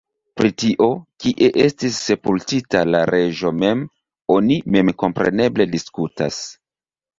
Pri tio, kie estis sepultita la reĝo mem, oni memkompreneble diskutas.